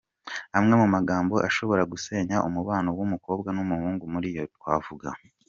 amwe mu magambo ashobora gusenya umubano w’umukobwa n’umuhungu muriyo twavuga:.